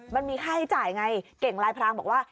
มันมีค่าใช้จ่ายไงเก่งลายพรางบอกว่า